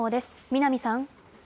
南さん。